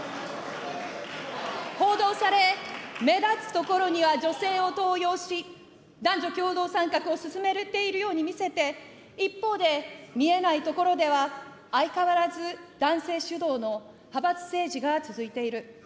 報道され目立つところには女性を登用し、男女共同参画を進めているように見せて、一方で、見えないところでは、相変わらず男性主導の派閥政治が続いている。